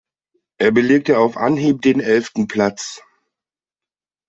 Er belegte auf Anhieb den elften Platz.